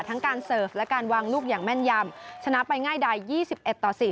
ทั้งการเสิร์ฟและการวางลูกอย่างแม่นยำชนะไปง่ายดาย๒๑ต่อ๔